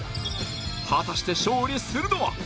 果たして勝利するのは！？